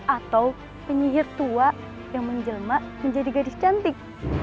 atau penyihir tua yang menjelma menjadi gadis cantik